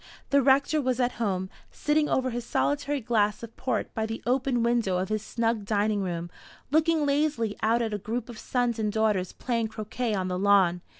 The Rector was at home, sitting over his solitary glass of port by the open window of his snug dining room, looking lazily out at a group of sons and daughters playing croquet on the lawn.